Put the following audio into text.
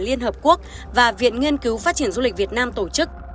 liên hợp quốc và viện nghiên cứu phát triển du lịch việt nam tổ chức